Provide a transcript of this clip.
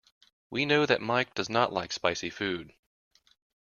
We know that Mark does not like spicy food.